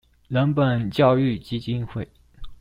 人本教育基金會